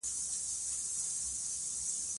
افغانستان په د افغانستان ولايتونه باندې تکیه لري.